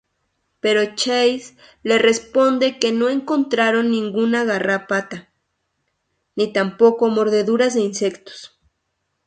Pero Chase le responde que no encontraron ninguna garrapata, ni tampoco mordeduras de insectos.